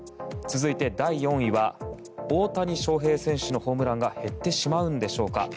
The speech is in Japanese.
続いて第４位は大谷翔平選手のホームランが減ってしまうんでしょうか。